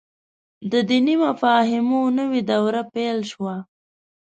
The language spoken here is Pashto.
د دیني مفاهیمو نوې دوره پيل شوه.